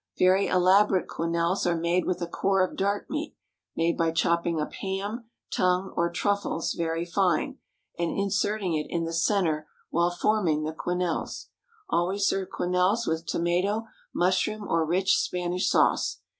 Very elaborate quenelles are made with a core of dark meat, made by chopping up ham, tongue, or truffles very fine, and inserting it in the centre while forming the quenelles. Always serve quenelles with tomato, mushroom, or rich Spanish sauce.